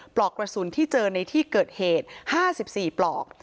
ปลอกกระสุนที่เจอในที่เกิดเหตุ๕๔ปลอก